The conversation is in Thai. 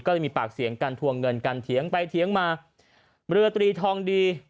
ก็เลยมีปากเสียงกันทวงเงินกันเถียงไปเถียงมาเรือตรีทองดี